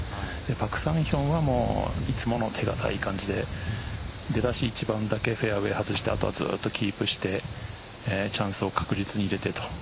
パク・サンヒョンはいつもの手堅い感じで出だし１番だけフェアウェイ外してあとはずっとキープしてチャンスを確実に入れてと。